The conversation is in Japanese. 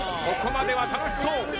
ここまでは楽しそう。